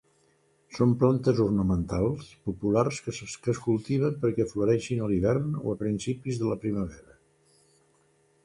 Són plantes ornamentals populars que es cultiven perquè floreixin a l'hivern o a principis de la primavera.